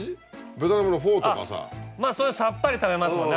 まぁそうさっぱり食べますもんね